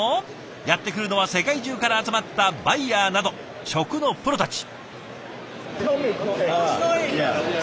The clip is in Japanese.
やって来るのは世界中から集まったバイヤーなど食のプロたち。